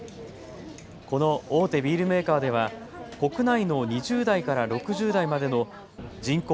この大手ビールメーカーでは国内の２０代から６０代までの人口